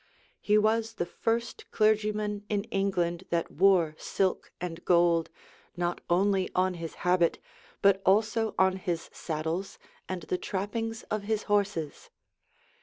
He was the first clergyman in England that wore silk and gold, not only on his habit, but also on his saddles and the trappings of his horses.